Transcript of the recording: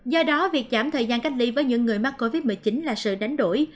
do đó việc giảm thời gian cách ly với những người mắc covid một mươi chín là sự đánh đổi